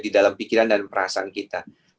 di dalam pikiran dan perasaan kita